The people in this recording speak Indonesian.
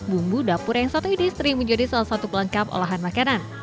bumbu dapur yang satu ini sering menjadi salah satu pelengkap olahan makanan